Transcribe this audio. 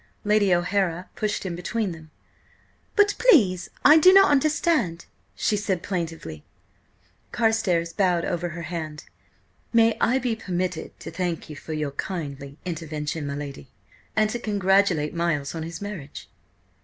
Lady O'Hara pushed in between them. "But please I do not understand!" she said plaintively. Carstares bowed over her hand. "May I be permitted to thank you for your kindly intervention, my lady? And to congratulate Miles on his marriage?"